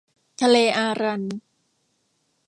ทะเลอารัล